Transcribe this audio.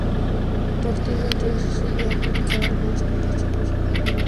A partir de entonces, ella ha publicado álbumes compuestos por su padre y hermanos.